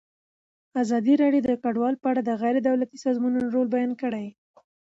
ازادي راډیو د کډوال په اړه د غیر دولتي سازمانونو رول بیان کړی.